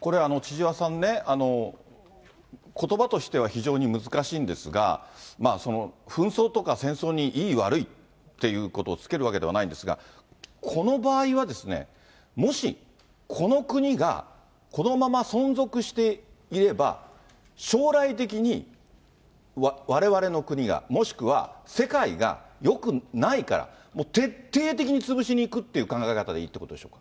これ、千々和さんね、ことばとしては非常に難しいんですが、紛争とか戦争にいい、悪いっていうことをつけるわけではないんですが、この場合は、もしこの国がこのまま存続していれば、将来的に、われわれの国が、もしくは世界がよくないから、もう徹底的に潰しにいくって考え方でいいってことでしょうか。